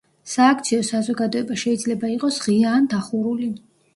სააქციო საზოგადოება შეიძლება იყოს ღია ან დახურული.